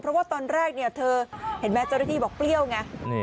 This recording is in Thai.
เพราะว่าตอนแรกเนี่ยเธอเห็นไหมเจ้าหน้าที่บอกเปรี้ยวไง